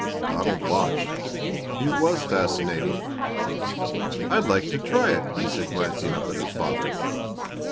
Donald watched. It was fascinating. "I'd like to try it," he said glancing up at his father.